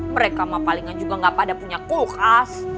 mereka mah palingan juga gak pada punya kulkas